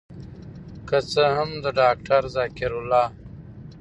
که څه هم د داکتر ذکر الله